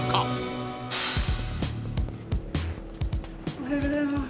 おはようございます